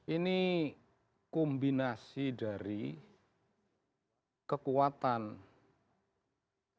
ini kombinasi dari kekuatan yang disebut elit keagamaan